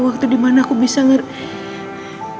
waktu dimana aku bisa ngerti